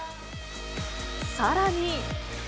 さらに。